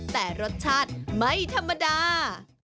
แต่รสชาติไม่ธรรมดา